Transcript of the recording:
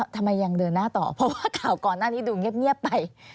ทำไมยังเดินหน้าต่อเพราะว่าข่าวก่อนหน้านี้ดูเงียบไป